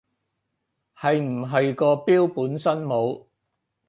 係唔係個表本身冇